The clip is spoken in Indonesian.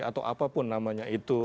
atau apapun namanya itu